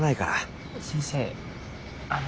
先生あの。